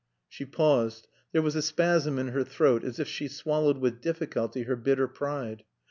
She paused. There was a spasm in her throat as if she swallowed with difficulty her bitter pride.